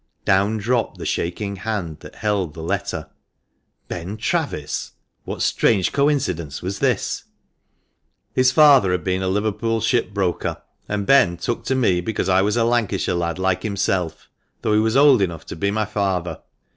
Down dropped the shaking hand that held the letter. Ben Travis ! What strange coincidence was this ?" His father had been a Liverpool shipbroker, and Ben took to me because I was a Lancashire lad like himself, though he was old enough to be my father.